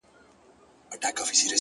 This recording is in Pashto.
• د طبيعت دې نندارې ته ډېر حيران هم يم؛